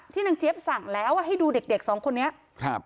นางเจี๊ยบสั่งแล้วอ่ะให้ดูเด็กเด็กสองคนนี้ครับ